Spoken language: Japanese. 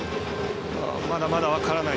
まだまだ分からない。